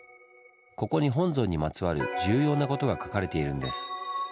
ここに本尊にまつわる重要なことが書かれているんです。